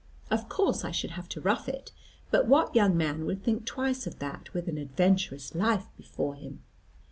Of course I should have to rough it; but what young man would think twice of that, with an adventurous life before him?